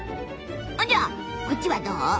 じゃあこっちはどう？